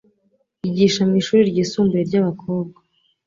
Yigisha mwishuri ryisumbuye ryabakobwa.